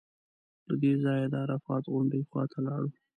له دې ځایه د عرفات غونډۍ خوا ته لاړو.